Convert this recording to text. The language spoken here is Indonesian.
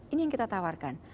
ini yang kita tawarkan